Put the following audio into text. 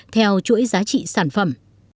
theo chuỗi giá trị sản phẩm